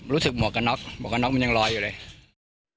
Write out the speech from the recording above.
รู้สึกมัมขาบบอกโอกรักษ์ยังรออยู่ครับ